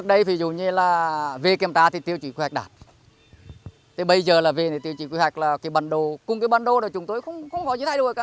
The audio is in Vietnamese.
bây giờ là về tiêu chí quy hoạch là cái bản đồ cùng cái bản đồ là chúng tôi không có gì thay đổi cả